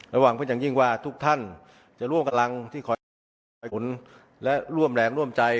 ระหว่างเพื่อนจังหญิงว่าทุกท่านจะร่วมกำลังที่คอยและร่วมแรงร่วมใจ